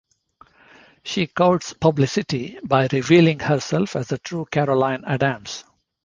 She courts publicity by revealing herself as the true Caroline Adams.